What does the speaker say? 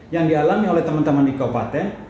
yang dialami oleh teman teman di kabupaten